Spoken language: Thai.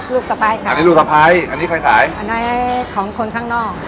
สะพ้ายค่ะอันนี้ลูกสะพ้ายอันนี้ใครขายอันไหนของคนข้างนอก